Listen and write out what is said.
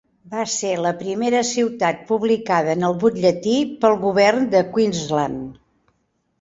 Va ser la primera ciutat publicada en el butlletí pel govern de Queensland.